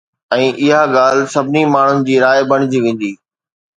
۽ اها ڳالهه سڀني ماڻهن جي راءِ بڻجي ويندي